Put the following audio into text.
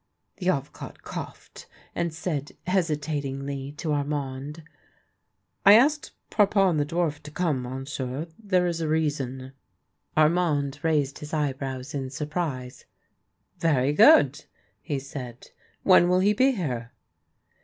The Avocat coughed, and said hesitatingly to Ar mand :" I asked Parpon the dwarf to come, monsieur. There is a reason." Armand raised his eyebrows in surprise, " Very good," he said. " When will he be here?